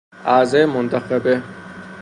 اعضای منتخبه